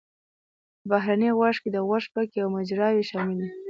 په بهرني غوږ کې د غوږ پکې او مجراوې شاملې دي.